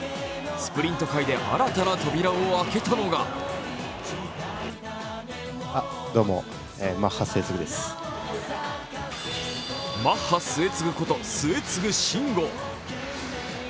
スプリント界で新たな扉を開けたのがマッハ末續こと末續慎吾。